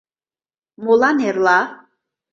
Молан эрла?